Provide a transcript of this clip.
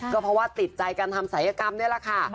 ก็เพราะว่าติดใจการทำศัยกรรมนี่แหละค่ะ